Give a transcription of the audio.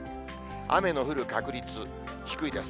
雨の降る確率、低いです。